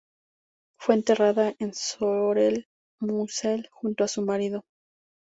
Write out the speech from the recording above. Fue enterrada en Sorel-Moussel, junto a su marido.